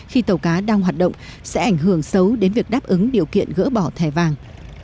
khi tàu cá đang hoạt động sẽ ảnh hưởng xấu đến việc đáp ứng điều kiện gỡ bỏ thẻ vàng